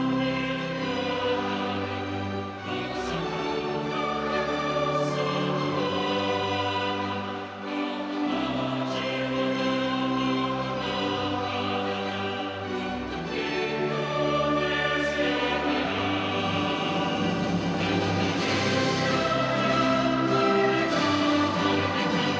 menurut suami dan penulis